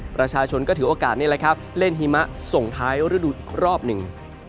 ประชาชนก็ถือโอกาสนี่แหละครับเล่นหิมะส่งท้ายฤดูอีกรอบหนึ่ง